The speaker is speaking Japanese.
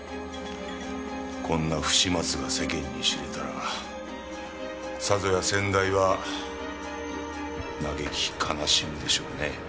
こんな不始末が世間に知れたらさぞや先代は嘆き悲しむでしょうね。